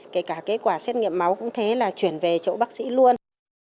kể cả kết quả xét nghiệm máu cũng thế là chuyển về chỗ bác sĩ luôn